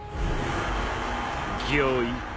御意。